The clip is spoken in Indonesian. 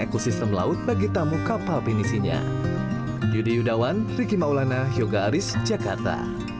ekosistem laut bagi tamu kapal penisinya yudi yudawan riki maulana yoga aris jakarta